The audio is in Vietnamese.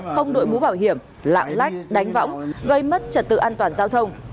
không đội mũ bảo hiểm lạng lách đánh võng gây mất trật tự an toàn giao thông